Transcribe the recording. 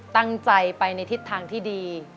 ตั้งใจไปในทิศทางที่ดี